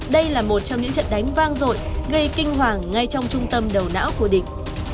đây là một trong những trận đánh vang rội gây kinh hoàng ngay trong trung tâm đầu não của địch